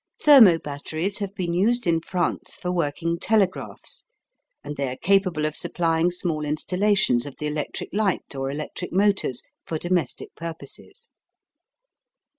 Thermo batteries have been used in France for working telegraphs, and they are capable of supplying small installations of the electric light or electric motors for domestic purposes.